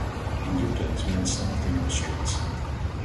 In your days men starved in your streets.